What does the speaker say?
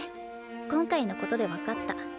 今回のことで分かった。